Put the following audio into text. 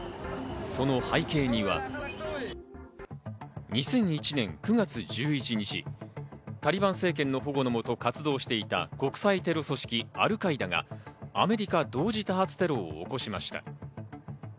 その背景には２００１年９月１１日、タリバン政権の保護のもと活動していた国際テロ組織アルカイダがアメリカ同時多発テロを起こしました。